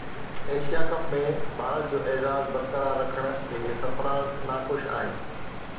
Asia cup ۾ Bharat جو اعزاز برقرار رکڻ تي سرفراز ناخوش آهي